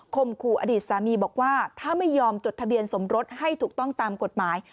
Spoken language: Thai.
คู่อดีตสามีบอกว่าถ้าไม่ยอมจดทะเบียนสมรสให้ถูกต้องตามกฎหมาย